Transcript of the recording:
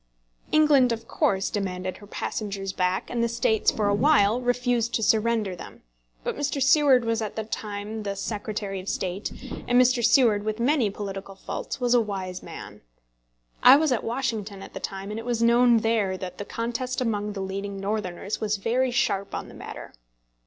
England of course demanded her passengers back, and the States for a while refused to surrender them. But Mr. Seward was at that time the Secretary of State, and Mr. Seward, with many political faults, was a wise man. I was at Washington at the time, and it was known there that the contest among the leading Northerners was very sharp on the matter.